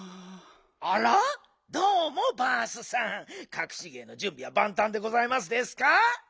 かくし芸のじゅんびはばんたんでございますですか？